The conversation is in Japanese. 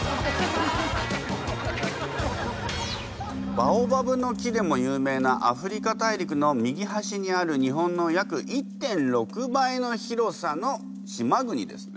バオバブの木でも有名なアフリカ大陸の右端にある日本の約１．６倍の広さの島国ですね。